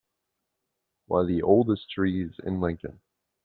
One of the oldest trees in Lincoln.